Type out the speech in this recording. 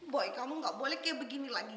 boy kamu gak boleh kayak begini lagi